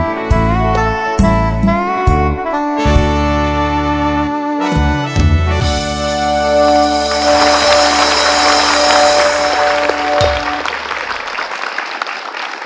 สวัสดีครับ